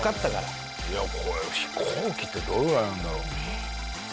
いやこれ飛行機ってどれぐらいなんだろう？